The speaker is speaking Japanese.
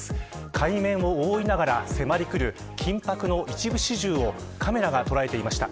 海面を覆いながら、迫り来る緊迫の一部始終をカメラが捉えていました。